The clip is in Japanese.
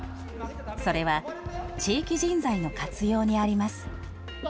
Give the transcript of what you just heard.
それは、地域人材の活用にあります。